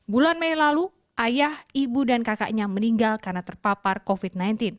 bulan mei lalu ayah ibu dan kakaknya meninggal karena terpapar covid sembilan belas